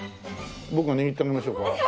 僕が握ってあげましょうか？